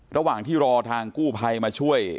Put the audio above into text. ระหว่างที่รอทางกู้ภัยมาช่วย